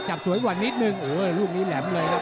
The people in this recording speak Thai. จับสวยกว่านิดนึงโอ้โหลูกนี้แหลมเลยครับ